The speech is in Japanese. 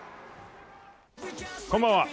こんばんは。